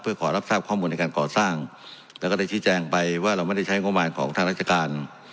เพื่อขอรับทราบข้อมูลในการก่อสร้างแล้วก็ได้ชี้แจงไปว่าเราไม่ได้ใช้งบประมาณของทางราชการ